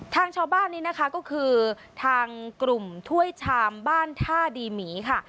ทางชาวบ้านนี้นะคะก็คือทางกลุ่มถ้วยชามบ้านท่าดีหมีค่ะ